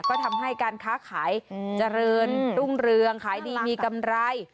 ก็ทำให้การค้าขายเจริญรุ่งเรืองขายดีมีกำไร